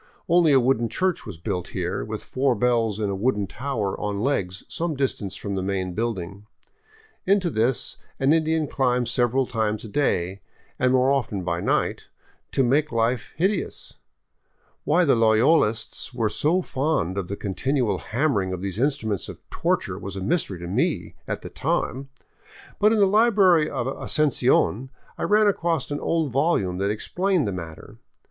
Only a wooden church was built here, with four bells in a wooden tower on legs some distance from the main building. Into this an Indian climbs several times a day, and more often by night, to make life hideous. Why the Loyolists were so fond of the continual hammering of these instruments of torture was a mystery to me at the time, but in the library of Asuncion I ran across an old volume that explained the matter.